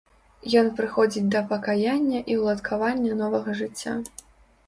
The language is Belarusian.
Ён прыходзіць да пакаяння і ўладкавання новага жыцця.